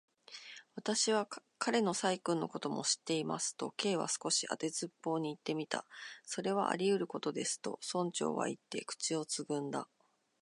「私は彼の細君のことも知っています」と、Ｋ は少し当てずっぽうにいってみた。「それはありうることです」と、村長はいって、口をつぐんだ。